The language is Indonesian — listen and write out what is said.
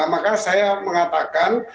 maka saya mengatakan